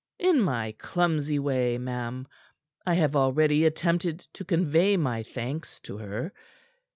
"In my clumsy way, ma'am, I have already attempted to convey my thanks to her.